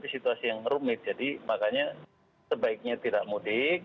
situasi yang rumit jadi makanya sebaiknya tidak mudik